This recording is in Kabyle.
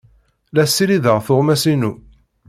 La ssirideɣ tuɣmas-inu.